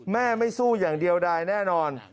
แม่ไม่สู้อย่างเดียวได้แน่นอน